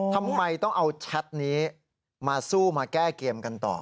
ทำไมต้องเอาแชทนี้มาสู้มาแก้เกมกันต่อ